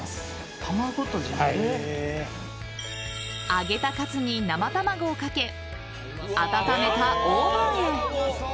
揚げたかつに生卵をかけ温めたオーブンへ。